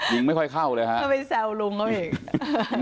ยิงไม่ค่อยเข้าเลยฮะเข้าไปแซวลุงเขาอีก